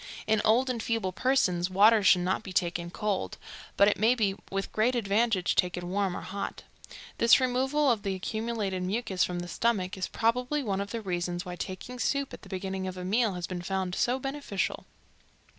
In old and feeble persons water should not be taken cold, but it may be with great advantage taken warm or hot. This removal of the accumulated mucus from the stomach is probably one of the reasons why taking soup at the beginning of a meal has been found so beneficial.